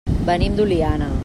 Venim d'Oliana.